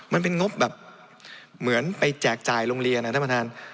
มันเป็นงบแบบเหมือนไปแจกจ่ายโรงเรียนนะท่านประธาน